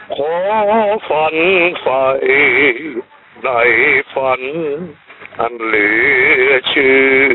ขอฝันไฟในฝันอันเหลือชื่อ